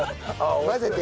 混ぜて。